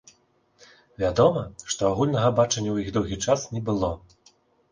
Вядома, што агульнага бачання ў іх доўгі час не было.